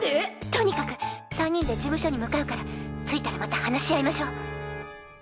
とにかく３人で事務所に向かうから着いたらまた話し合いましょ！